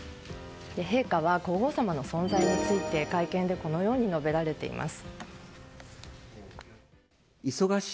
陛下は皇后さまの存在について会見でこのように述べられています。